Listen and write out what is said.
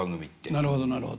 なるほどなるほど。